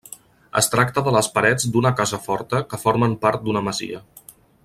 Es tracta de les parets d'una casa forta que formen part d'una masia.